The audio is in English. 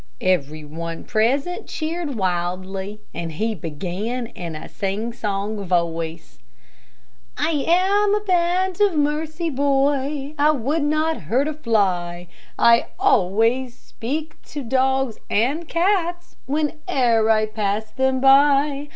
Everyone present cheered wildly, and he began in a singsong voice: "I am a Band of Mercy boy, I would not hurt a fly, I always speak to dogs and cats, When'er I pass them by.